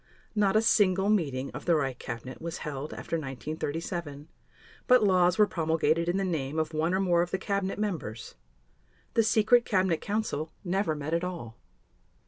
Not a single meeting of the Reich Cabinet was held after 1937, but laws were promulgated in the name of one or more of the cabinet members. The Secret Cabinet Council never met at all.